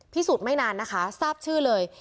พิสูจน์ไม่นานนะคะทราบชื่อเลย